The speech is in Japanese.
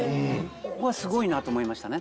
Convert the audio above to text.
ここがスゴいなと思いましたね。